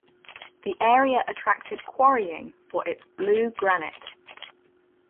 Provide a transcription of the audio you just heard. The area attracted quarrying for its "blue granite".